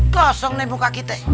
kosong deh muka kita